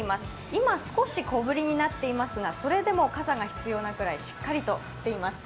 今、少し小降りになっていますがそれでも傘が必要なくらい、しっかりと降っています。